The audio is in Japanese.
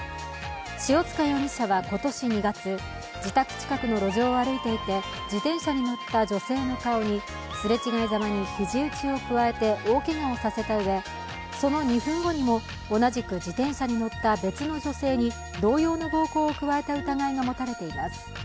塩塚容疑者は今年２月、自宅近くの路上を歩いていて自転車に乗った女性の顔にすれ違いざまにひじ打ちを加えて大けがをさせたうえ、その２分後にも同じく自転車に乗った別の女性に同様の暴行を加えた疑いがもたれています。